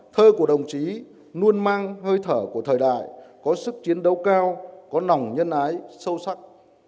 thơ của đồng chí luôn mang hơi thở của thời đại có sức chiến đấu cao có nồng nhân ái sâu sắc